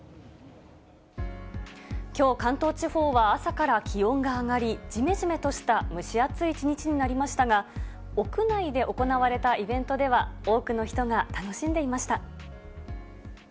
きょう、関東地方は朝から気温が上がり、じめじめとした蒸し暑い一日になりましたが、屋内で行われたイベントでは、多くの人が楽しんでいました。